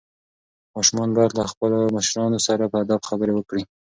ماشومان باید له خپلو مشرانو سره په ادب خبرې وکړي.